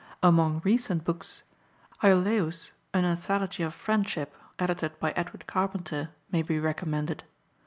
Among recent books, Ioläus: An Anthology of Friendship, edited by Edward Carpenter, may be recommended.